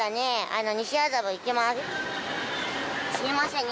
すいません。